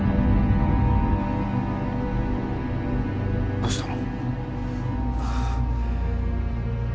どうしたの？